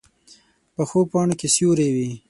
پخو پاڼو کې سیوری وي